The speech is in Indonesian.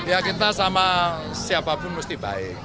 ya kita sama siapapun mesti baik